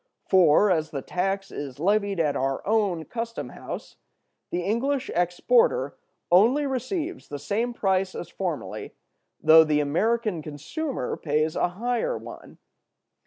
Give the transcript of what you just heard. For, as the tax is levied at our own custom house, the English exporter only receives the same price as formerly, though the American consumer pays a higher one.